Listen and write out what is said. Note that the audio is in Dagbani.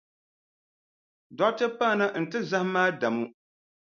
Dɔɣite paana nti zahim Adamu.